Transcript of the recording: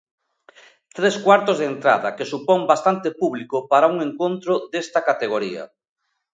Tres cuartos de entrada, que supón bastante público para un encontro desta categoría.